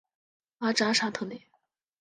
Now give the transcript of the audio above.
阿扎沙特内。